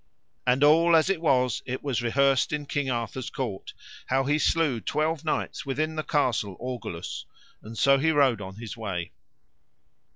And all as it was it was rehearsed in King Arthur's court, how he slew twelve knights within the Castle Orgulous; and so he rode on his way.